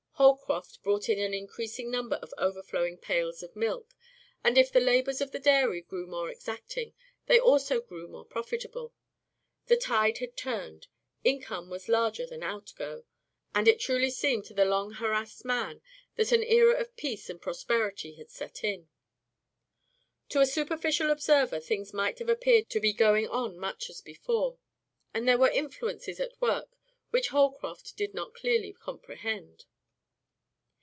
Holcroft brought in an increasing number of overflowing pails of milk, and if the labors of the dairy grew more exacting, they also grew more profitable. The tide had turned; income was larger than outgo, and it truly seemed to the long harassed man that an era of peace and prosperity had set in. To a superficial observer things might have appeared to be going on much as before, but there were influences at work which Holcroft did not clearly comprehend.